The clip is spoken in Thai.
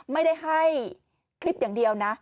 ไม่ได้ให้คลิปอย่างเดียวนะ